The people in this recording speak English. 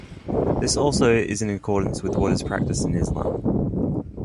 This also is in accordance with what is practiced in Islam.